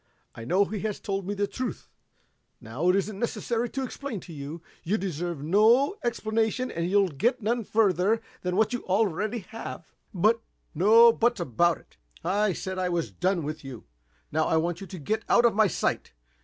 I know he has told me the truth. Now, it isn't necessary to explain to you. You deserve no explanation and you'll get none further than what you already have." "But " "No 'buts' about it. I said I was done with you. Now, I want you to get out of my sight!